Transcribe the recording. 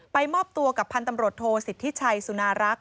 ไปมอบตัวกับพันธ์ตำรวจโทษศิษย์ทิชัยสุนารักษ์